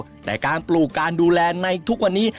แต่การปลูกการดูแลในทุกวันนี้